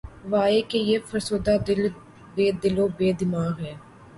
واے! کہ یہ فسردہ دل‘ بے دل و بے دماغ ہے